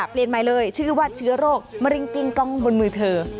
เปลี่ยนใหม่เลยชื่อว่าเชื้อโรคมะริงกิ้งกล้องบนมือเธอ